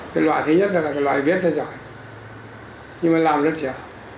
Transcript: cái loại thứ nhất là loại viết thay loại nhưng mà làm rất dễ